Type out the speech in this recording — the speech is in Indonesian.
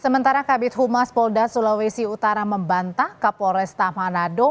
sementara kabit humas polda sulawesi utara membantah kapolresta manado